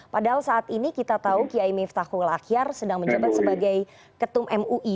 padahal saat ini kita tahu kiai miftahul ahyar sedang menjabat sebagai ketum mui